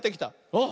あっ！